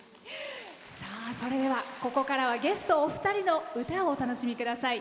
それでは、ここからはゲストお二人の歌をお楽しみください。